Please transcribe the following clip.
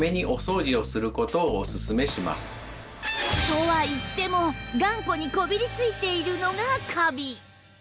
とはいっても頑固にこびりついているのがカビ